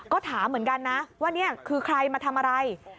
ก็ถามเหมือนกันนะว่านี่คือใครมาทำอะไร